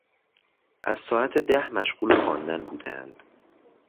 از ساعت ده مشغول خواندن بودهاند.